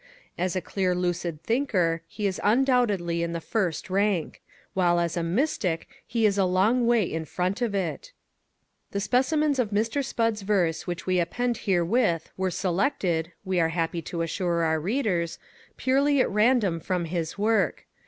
As a clear lucid thinker he is undoubtedly in the first rank; while as a mystic he is a long way in front of it. The specimens of Mr. Spudd's verse which we append herewith were selected, we are happy to assure our readers, purely at random from his work.